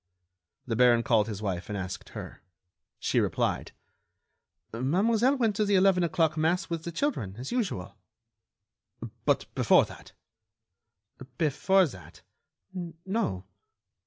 The baron called his wife and asked her. She replied: "Mademoiselle went to the eleven o'clock mass with the children, as usual." "But before that?" "Before that? No....